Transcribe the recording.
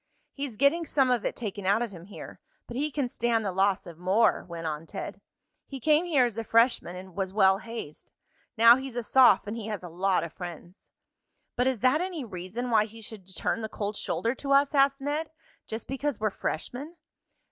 He's getting some of it taken out of him here, but he can stand the loss of more," went on Ted. "He came here as a freshman and was well hazed. Now he's a soph, and he has a lot of friends." "But is that any reason why he should turn the cold shoulder to us?" asked Ned. "Just because we're freshmen?"